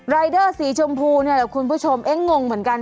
รายเดอร์สีชมพูคุณผู้ชมเอ๊ะงงเหมือนกัน